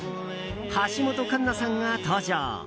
橋本環奈さんが登場。